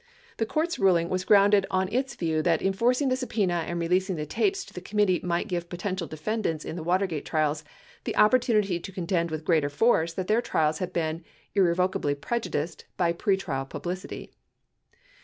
The court's ruling was grounded on its view that enforcing the subpena and releasing the tapes to the committee might give potential defendants in the Watergate trials the opportunity to contend with greater force that their trials had been irrevocably prejudiced by pretrial publicity.